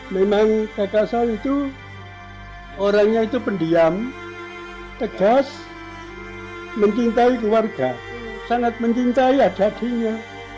memang kakak saya itu orangnya itu pendiam tegas mencintai keluarga sangat mencintai ada dirinya